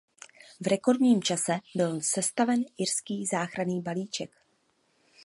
V rekordním čase byl sestaven irský záchranný balíček.